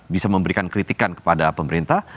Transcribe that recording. bisa memberikan kritikan kepada pemerintah